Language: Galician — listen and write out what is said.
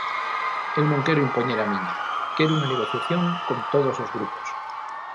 Eu non quero impoñer a miña, quero unha negociación con todos os grupos.